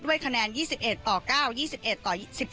ด้วยคะแนน๒๑ต่อ๙๒๑ต่อ๑๓